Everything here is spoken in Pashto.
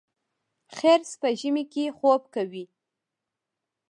خرس په ژمي کې خوب کوي